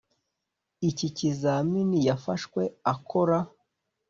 Iki kizamini yafashwe akora